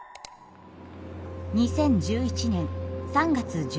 ２０１１年３月１１日。